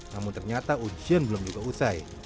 namun ternyata ujian belum juga usai